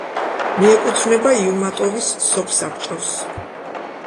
მიეკუთვნება იუმატოვის სოფსაბჭოს.